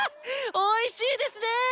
おいしいですね！